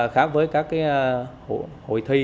khá với các cái hội thi